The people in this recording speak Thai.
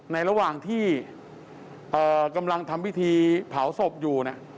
ในระหว่างที่กำลังทำพิธีเผาศพอยู่นะ